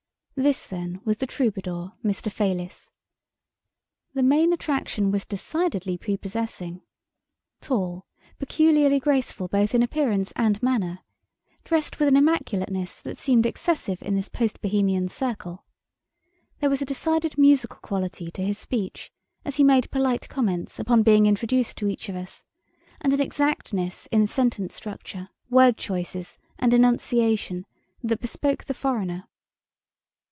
This, then, was the "troubadour" Mr. Fayliss. The Main Attraction was decidedly prepossessing. Tall, peculiarly graceful both in appearance and manner, dressed with an immaculateness that seemed excessive in this post Bohemian circle. There was a decided musical quality to his speech, as he made polite comments upon being introduced to each of us, and an exactness in sentence structure, word choices and enunciation that bespoke the foreigner.